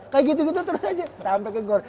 kayak gitu gitu terus aja sampai ke gor